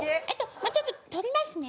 ちょっと取りますね。